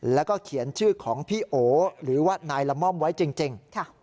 แล้วก็เขียนชื่อของพี่โอหรือว่านายละม่อมไว้จริง